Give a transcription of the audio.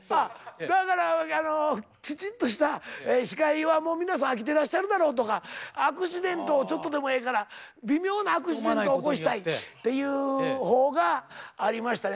だからきちんとした司会はもう皆さん飽きてらっしゃるだろうとかアクシデントをちょっとでもええから微妙なアクシデントを起こしたいっていうほうがありましたね。